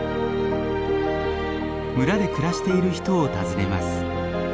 村で暮らしている人を訪ねます。